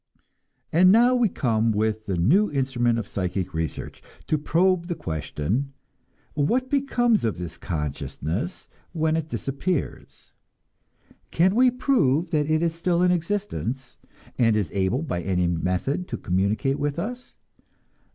And now we come with the new instrument of psychic research, to probe the question: What becomes of this consciousness when it disappears? Can we prove that it is still in existence, and is able by any method to communicate with us?